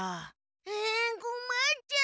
えこまっちゃう。